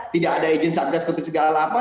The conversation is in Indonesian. tidak ada izin satgas covid segala apa